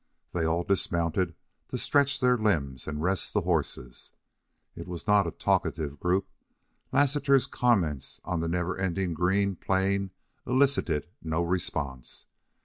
They all dismounted to stretch their limbs, and rest the horses. It was not a talkative group, Lassiter's comments on the never ending green plain elicited no response.